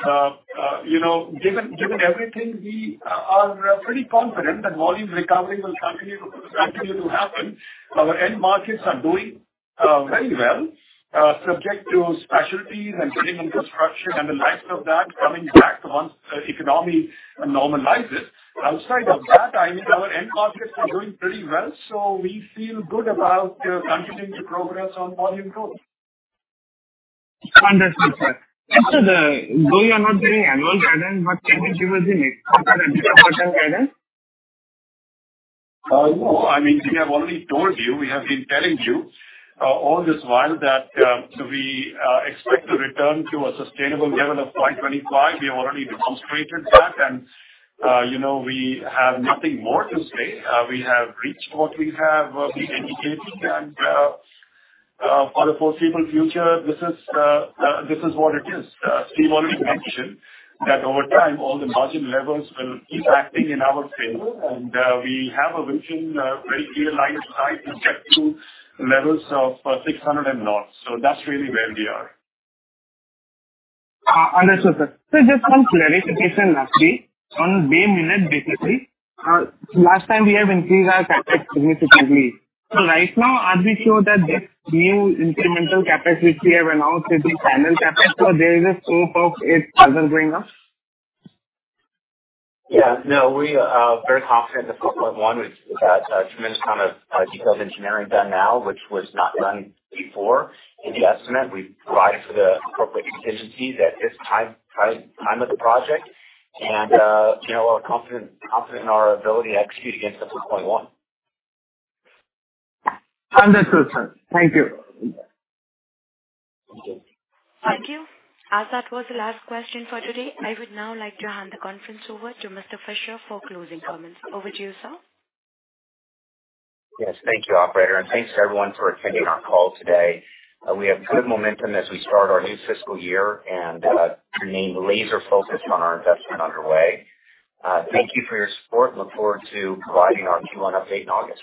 You know, given everything, we are pretty confident that volume recovery will continue to happen. Our end markets are doing very well, subject to specialties and building infrastructure and the likes of that coming back once the economy normalizes. Outside of that, I mean, our end markets are doing pretty well, so we feel good about continuing to progress on volume growth. Understood, sir. After the, though you are not giving annual guidance, but can you give us the next quarter guidance? No. I mean, we have already told you, we have been telling you, all this while that, we expect to return to a sustainable level of $0.25. We have already demonstrated that, and, you know, we have nothing more to say. We have reached what we have been indicating, and, for the foreseeable future, this is, this is what it is. Steve already mentioned that over time, all the margin levels will keep acting in our favor, and, we have a vision, very clear line of sight to get to levels of, $600 and odd. That's really where we are. understood, sir. Just one clarification lastly, on Bay Minette, last time we have increased our capacity significantly. Right now, are we sure that the new incremental capacity we have announced is the final capacity, or there is a scope of it doesn't going up? Yeah. No, we are very confident of 4.1. We've got a tremendous amount of detailed engineering done now, which was not done before. In the estimate, we priced for the appropriate contingencies at this time of the project. You know, we're confident in our ability to execute against the 4.1. Understood, sir. Thank you. Thank you. As that was the last question for today, I would now like to hand the conference over to Mr. Fisher for closing comments. Over to you, sir. Yes, thank you, operator, and thanks to everyone for attending our call today. We have good momentum as we start our new fiscal year and remain laser focused on our investment underway. Thank you for your support. Look forward to providing our Q1 update in August.